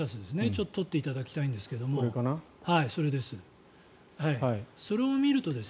ちょっと撮っていただきたいんですがそれを見ると。